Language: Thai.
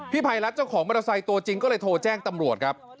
ภัยรัฐเจ้าของมอเตอร์ไซค์ตัวจริงก็เลยโทรแจ้งตำรวจครับ